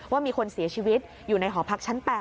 ว่ามีคนเสียชีวิตอยู่ในหอพักชั้น๘